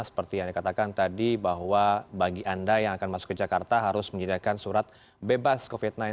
seperti yang dikatakan tadi bahwa bagi anda yang akan masuk ke jakarta harus menyediakan surat bebas covid sembilan belas